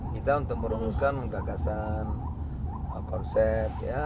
kita untuk merumuskan gagasan konsep